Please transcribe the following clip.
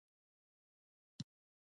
سپینه لوبیا په ختیځ کې کیږي.